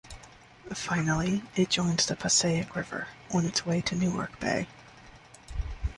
Finally, it joins the Passaic River, on its way to Newark Bay.